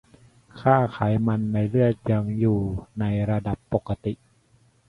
ค่าไขมันในเลือดยังอยู่ในระดับปกติ